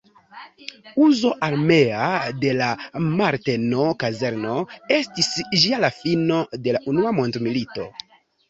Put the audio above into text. Uzo armea de la Marteno-kazerno estis ĝis la fino de la Unua mondmilito.